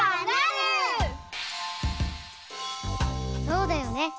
そうだよね。